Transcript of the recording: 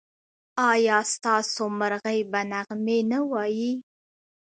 ایا ستاسو مرغۍ به نغمې نه وايي؟